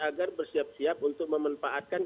agar bersiap siap untuk memanfaatkan